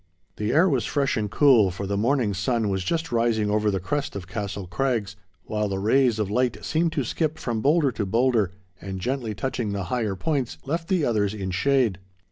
The air was fresh and cool, for the morning sun was just rising over the crest of Castle Crags, while the rays of light seemed to skip from boulder to boulder, and, gently touching the higher points, left the others in shade.